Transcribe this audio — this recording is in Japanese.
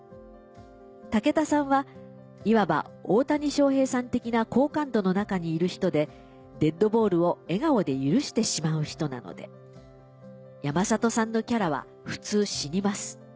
武田さんはいわば大谷翔平さん的な好感度の中にいる人でデッドボールを笑顔で許してしまう人なので山里さんのキャラは普通死にます。